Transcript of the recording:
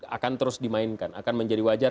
akan terus dimainkan akan menjadi wajar